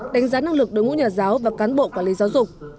đánh giá năng lực đối ngũ nhà giáo và cán bộ quản lý giáo dục